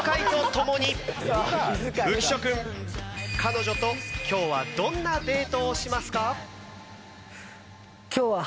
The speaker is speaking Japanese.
浮所君彼女と今日はどんなデートをしますか？